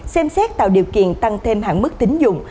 xem xét tạo điều kiện tăng thêm hạn mức tính dụng